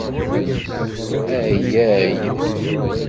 Ayyay